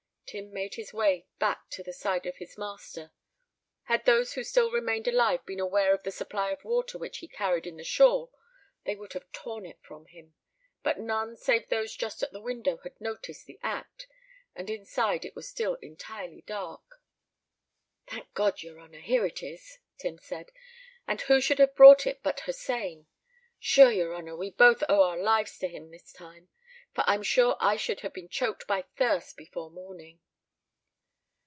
Tim made his way back to the side of his master. Had those who still remained alive been aware of the supply of water which he carried in the shawl they would have torn it from him; but none save those just at the window had noticed the act, and inside it was still entirely dark. "Thank God, yer honour, here it is," Tim said; "and who should have brought it but Hossein. Shure, yer honour, we both owe our lives to him this time, for I'm sure I should have been choked by thirst before morning."